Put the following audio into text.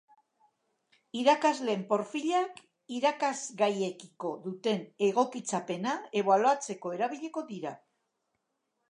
Irakasleen profilak irakasgaiekiko duten egokitzapena ebaluatzeko erabiliko dira.